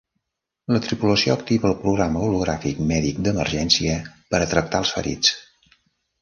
La tripulació activa el programa hologràfic mèdic d'emergència per a tractar als ferits.